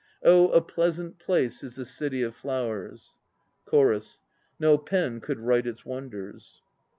Oh, a pleasant place is the City of Flowers; CHORUS. No pen could write its wonders.